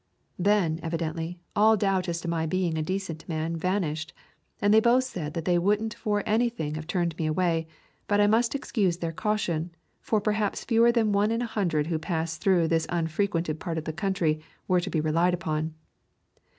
Then, evidently, all doubt as to my being a decent man vanished, and they both said that they would n't for any thing have turned me away; but I must excuse their caution, for perhaps fewer than one in a hundred, who passed through this unfrequented part of the country, were to be relied upon.